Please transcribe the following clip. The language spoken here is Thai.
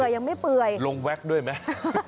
ยังไม่เปื่อยลงแว็กด้วยไหม